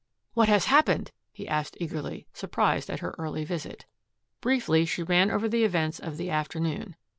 "What has happened!" he asked eagerly, surprised at her early visit. Briefly she ran over the events of the afternoon.